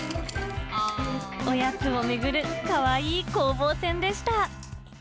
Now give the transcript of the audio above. おやつを巡るかわいい攻防戦でした。